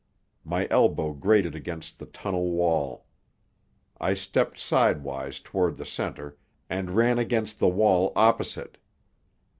My elbow grated against the tunnel wall. I stepped sidewise toward the centre, and ran against the wall opposite.